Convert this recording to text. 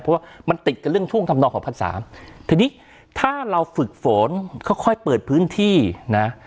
เพราะว่ามันติดกับเรื่องท่วงทำนองของพันสามทีนี้ถ้าเราฝึกฝนค่อยเปิดพื้นที่นะ